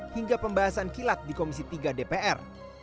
hingga pembahasan kilat di komisi tiga dpr